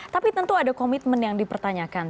tapi tentu ada komitmen yang dipertanyakan